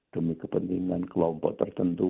demi kepentingan kelompok tertentu